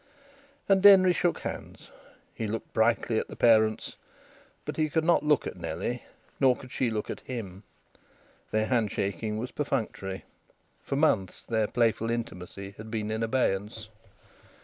And Denry shook hands. He looked brightly at the parents, but he could not look at Nellie; nor could she look at him; their handshaking was perfunctory. For months their playful intimacy had been in abeyance.